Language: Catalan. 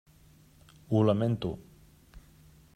Ho lamento.